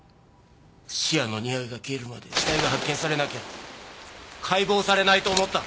シアンのにおいが消えるまで死体が発見されなければ解剖されないと思った。